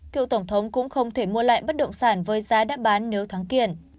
cựu tổng thống cũng không thể mua lại bất động sản với giá đã bán nếu thắng kiện